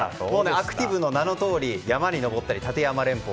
アクティブの名のとおり山に登ったり立山連峰。